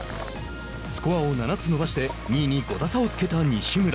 スコアを７つ伸ばして２位に５打差をつけた西村。